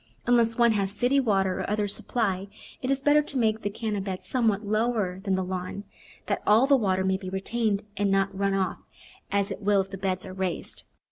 Unless one has city water or other supply it is better to make the Canna bed somewhat lower than the lawn, that all the water may be retained and not run off, as it will if the beds are raised.